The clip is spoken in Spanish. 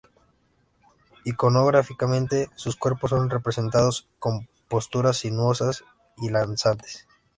Iconográficamente, sus cuerpos son representados con posturas sinuosas y danzantes.